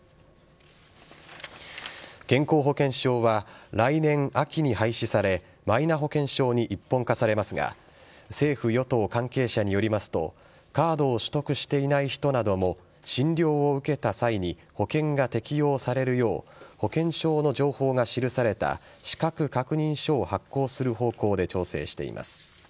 健康保険証は来年秋に廃止されマイナ保険証に一本化されますが政府与党関係者によりますとカードを取得していない人なども診療を受けた際に保険が適用されるよう保健証の情報が記された資格確認書を発行する方向で調整しています。